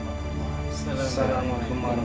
assalamualaikum wr wb